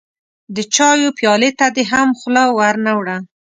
د چايو پيالې ته دې هم خوله ور نه وړه.